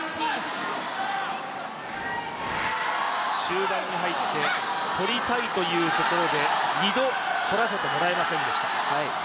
終盤に入って取りたいというところで２度取らせてもらえませんでした。